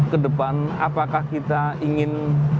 kedepan apakah kita ingin